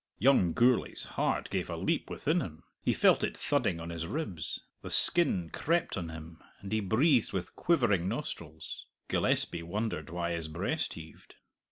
Young Gourlay's heart gave a leap within him; he felt it thudding on his ribs. The skin crept on him, and he breathed with quivering nostrils. Gillespie wondered why his breast heaved.